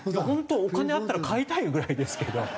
本当お金あったら買いたいぐらいですけど。